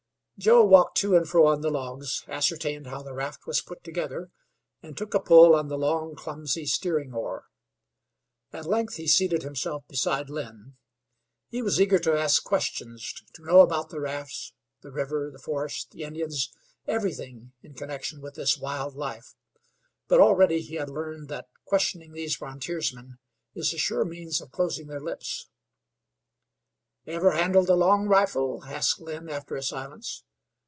Joe walked to and fro on the logs, ascertained how the raft was put together, and took a pull on the long, clumsy steering oar. At length he seated himself beside Lynn. He was eager to ask questions; to know about the rafts, the river, the forest, the Indians everything in connection with this wild life; but already he had learned that questioning these frontiersmen is a sure means of closing their lips. "Ever handle the long rifle?" asked Lynn, after a silence.